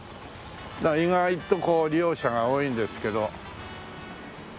だから意外と利用者が多いんですけど。